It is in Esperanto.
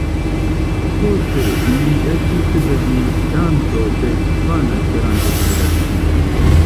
Poste li estis prezidanto de Hispana Esperanto-Federacio.